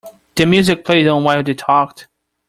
The music played on while they talked.